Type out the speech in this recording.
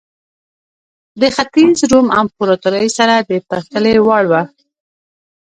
د ختیځ روم امپراتورۍ سره د پرتلې وړ وه.